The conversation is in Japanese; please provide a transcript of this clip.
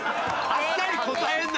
あっさり答えるな！